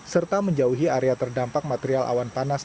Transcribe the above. serta menjauhi area terdampak material awan panas